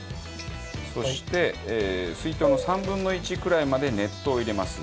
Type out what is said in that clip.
そして水筒の３分の１くらいまで熱湯を入れます。